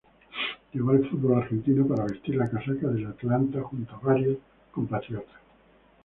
Llegó al fútbol argentino para vestir la casaca de Atlanta, junto a varios compatriotas.